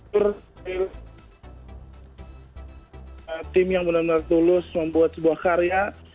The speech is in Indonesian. jadi tim yang benar benar tulus membuat sebuah karya